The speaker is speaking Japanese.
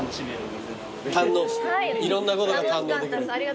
いろんなことが堪能できる。